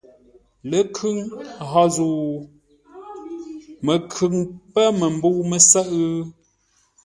Ləkhʉŋ hó zə̂u? Məkhʉŋ pə̂ məmbə̂u mə́sə́ʼə́?